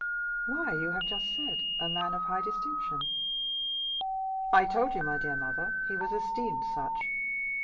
"Why, you have just said,—a man of high distinction." "I told you, my dear mother, he was esteemed such."